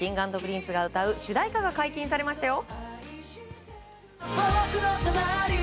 Ｋｉｎｇ＆Ｐｒｉｎｃｅが歌う主題歌が解禁されましたよ。